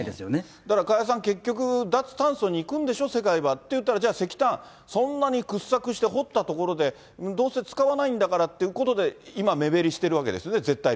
だから加谷さん、結局、脱炭素にいくんでしょ、世界はっていったら、じゃあ石炭、そんなに掘削して掘ったところで、どうせ使わないんだからっていうことで今、目減りしてるわけですよ